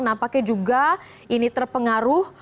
nampaknya juga ini terpengaruh